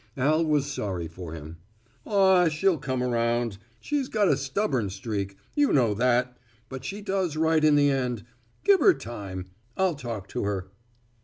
Al was sorry for him. "Aw, she'll come around. She's got a stubborn streak, you know that, but she does right in the end. Give her time. I'll talk to her."